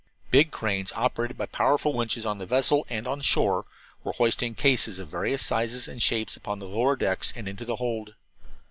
Big cranes, operated by powerful winches on the vessel and on shore, were hoisting cases of various sizes and shapes upon the lower decks and into the hold.